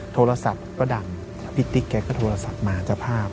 โทรศัพท์ก็ดังพี่ติ๊กแกก็โทรศัพท์มาเจ้าภาพ